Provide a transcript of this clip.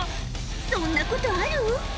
そんなことある？